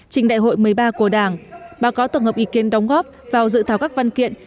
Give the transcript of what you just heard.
trình đại hội một mươi ba của đảng báo cáo tổng hợp ý kiến đóng góp vào dự thảo các văn kiện